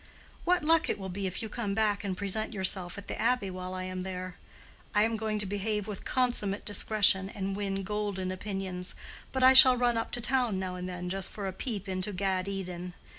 What luck it will be if you come back and present yourself at the Abbey while I am there! I am going to behave with consummate discretion and win golden opinions, But I shall run up to town now and then, just for a peep into Gad Eden.